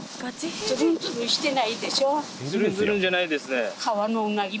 つるんつるんじゃないですね。